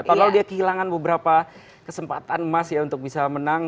padahal dia kehilangan beberapa kesempatan emas ya untuk bisa menang